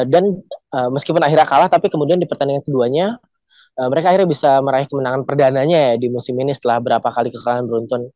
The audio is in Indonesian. dan meskipun akhirnya kalah tapi kemudian di pertandingan keduanya mereka akhirnya bisa meraih kemenangan perdana nya ya di musim ini setelah berapa kali kekalahan beruntun